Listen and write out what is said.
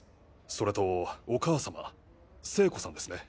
それとお母様聖子さんですね。